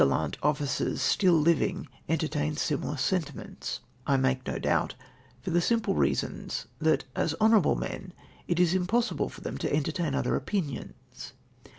43 sioiL That other galhint officers still livhig entertain similar sentiments, I make no donbt, for the simple reasons that, as hononrable men, it is impossible f(jr them to entertain other opinions.